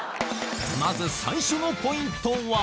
まず最初のポイントは？